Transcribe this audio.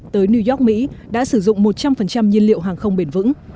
tới new york mỹ đã sử dụng một trăm linh nhiên liệu hàng không bền vững